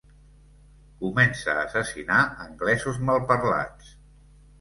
Comença a assassinar anglesos malparlats.